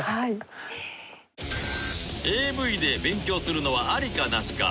ＡＶ で勉強するのはありかなしか